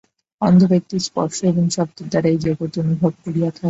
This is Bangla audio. অন্ধ ব্যক্তি স্পর্শ এবং শব্দের দ্বারা এই জগৎ অনুভব করিয়া থাকে।